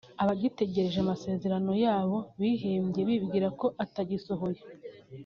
abagitegereje amasezerano yabo bihebye bibwira ko atagisohoye